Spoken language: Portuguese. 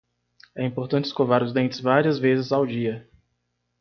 É importante escovar os dentes várias vezes ao dia.